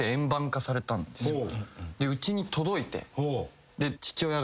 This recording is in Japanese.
うちに届いて。